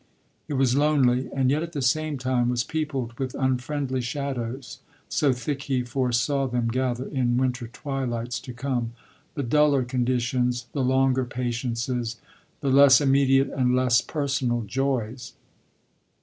It was lonely and yet at the same time was peopled with unfriendly shadows so thick he foresaw them gather in winter twilights to come the duller conditions, the longer patiences, the less immediate and less personal joys.